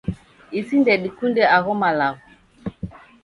isi ndedikunde agho malagho